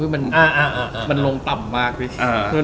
มันลงต่ำมากพี่